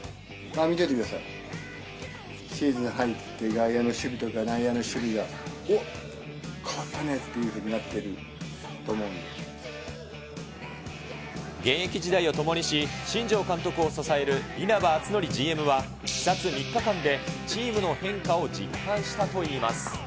見ててください、シーズン入って、外野の守備とか内野の守備が、おっ、変わったねっていうふうに現役時代を共にし、新庄監督を支える稲葉篤紀ＧＭは、視察３日間でチームの変化を実感したといいます。